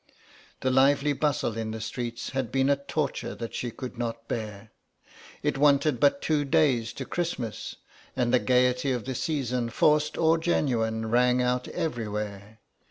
The lively bustle in the streets had been a torture that she could not bear. It wanted but two days to Christmas and the gaiety of the season, forced or genuine, rang out everywhere.